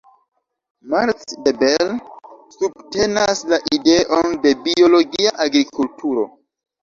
Marc De Bel subtenas la ideon de biologia agrikulturo.